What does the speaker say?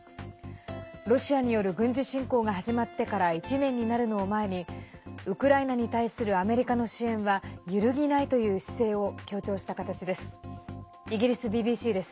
ロシアによる軍事侵攻が始まってから１年になるのを前にウクライナに対するアメリカの支援は揺るぎないという姿勢を強調した形です。